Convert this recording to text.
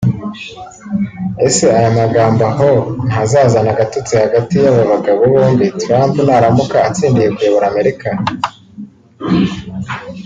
Ese aya magambo aho ntazazana agatotsi hagati y’aba bagabo bombi Trump naramuka atsindiye kuyobora Amerika